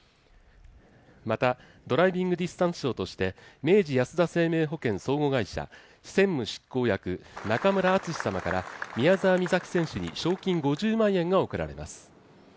また、ドライビングディスタンス賞として明治安田生命保険相互会社専務執行役、中村篤志様から宮澤美咲選手に賞金５０万円が贈られます。